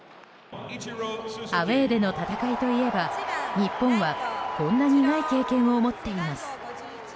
アウェーでの戦いといえば日本はこんな苦い経験を持っています。